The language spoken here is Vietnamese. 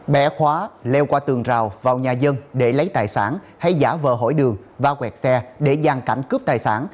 bẻ khóa leo qua tường rào vào nhà dân để lấy tài sản hay giả vờ hỏi đường va quẹt xe để gian cảnh cướp tài sản